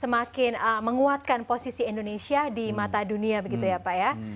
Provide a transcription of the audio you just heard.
semakin menguatkan posisi indonesia di mata dunia begitu ya pak ya